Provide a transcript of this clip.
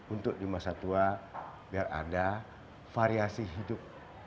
untuk di masa tua biar ada variasi hidup